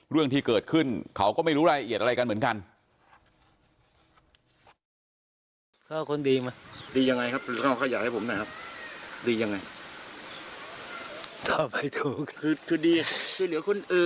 เรื่องที่เกิดขึ้นเขาก็ไม่รู้รายละเอียดอะไรกันเหมือนกัน